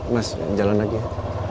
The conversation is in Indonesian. mas jalan lagi ya